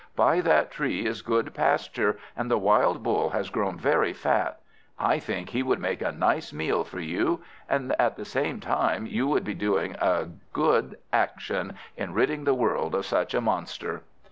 By that tree is good pasture, and the wild Bull has grown very fat. I think he would make a nice meal for you; and at the same time you would be doing a good action in ridding the world of such a monster."